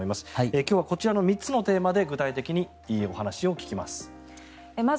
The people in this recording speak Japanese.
今日はこちらの３つのテーマで具体的にお話を聞きます。